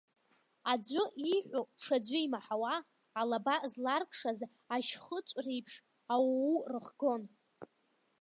Аӡәы ииҳәо ҽаӡәы имаҳауа, алаба зларкшаз ашьхыҵә реиԥш, ауу рыхгон.